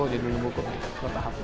judul buku bertahap